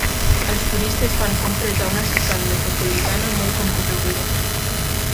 Els turistes fan compres a una ciutat metropolitana molt concorreguda.